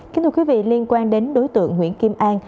kính thưa quý vị liên quan đến đối tượng nguyễn kim an